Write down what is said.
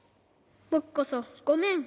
ぼくこそごめん。